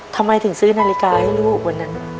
ทำไมถึงซื้อนาฬิกาให้ลูกวันนั้น